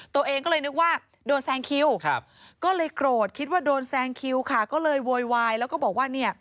ตัวเองก็เลยนึกว่าโดนแซงคิวก็เลยโกรธคิดว่าโดนแซงคิวค่ะก็เลยโวยวายแล้วก็บอกว่าเนี่ย